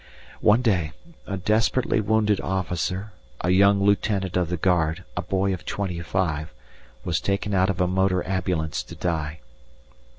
One day a desperately wounded officer, a young Lieutenant of the Guard, a boy of twenty five, was taken out of a motor ambulance to die.